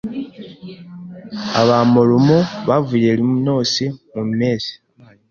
Abamorumo bavuye Illinois mu mpeshyi